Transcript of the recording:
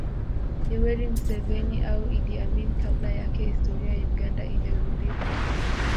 Yoweri Museveni au Idi Amin kabla yake historia ya Uganda imeghubikwa